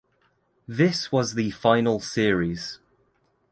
This was the final series.